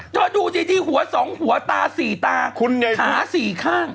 ถ้าดูสิที่หัวสองหัวตาสี่ตาขาสี่ข้าง